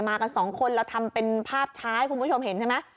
กันสองคนเราทำเป็นภาพช้าให้คุณผู้ชมเห็นใช่ไหม